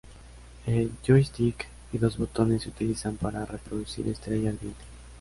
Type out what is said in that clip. El joystick y dos botones se utilizan para reproducir estrella ardiente.